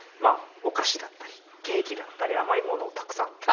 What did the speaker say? お菓子だったりケーキだったり甘い物をたくさん。